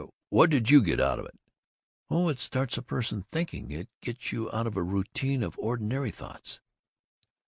"Well I What did you get out of it?" "Oh, it starts a person thinking. It gets you out of a routine of ordinary thoughts."